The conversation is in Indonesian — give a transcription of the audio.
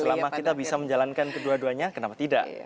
selama kita bisa menjalankan kedua duanya kenapa tidak